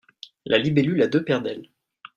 La libellule a deux paires d'ailes.